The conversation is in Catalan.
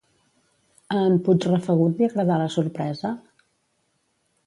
A en Puigrafegut li agradà la sorpresa?